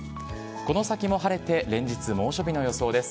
この先も晴れて、連日猛暑日の予想です。